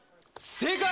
正解！